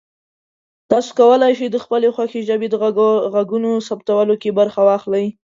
تاسو کولی شئ د خپلې خوښې ژبې د غږونو ثبتولو کې برخه واخلئ.